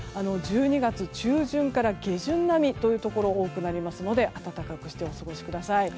１２月中旬から下旬並みというところが多くなりますので暖かくしてお過ごしください。